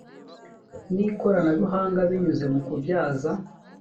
n ikoranabuhanga binyuze mu kubyaza